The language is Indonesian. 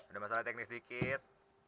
ada masalah teknis dikit